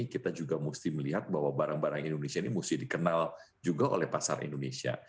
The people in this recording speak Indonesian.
kita juga mesti melihat bahwa barang barang indonesia ini mesti dikenal juga oleh pasar indonesia